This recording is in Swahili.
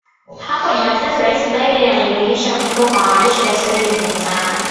Hapo Jumatatu Raisi Biden aliidhinisha kutumwa kwa wanajeshi wasiozidi mia tano